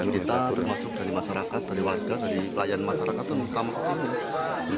kita termasuk dari masyarakat dari warga dari pelayan masyarakat terutama kesini